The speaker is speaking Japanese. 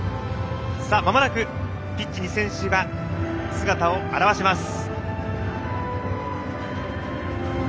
まもなくピッチに選手が姿を現します。